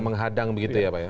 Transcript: menghadang begitu ya pak ya